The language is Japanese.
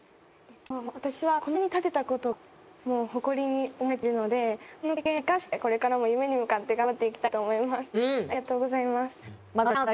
私はこの場に立てたことが誇りに思えているのでこの経験を活かしてこれからも夢に向かって頑張っていきたいと思います。